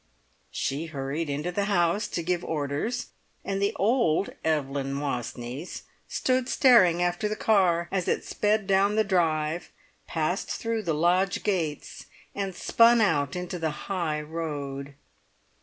She hurried into the house to give orders, and the old Evelyn Wastneys stood staring after the car, as it sped down the drive, passed through the lodge gates, and spun out into the high road.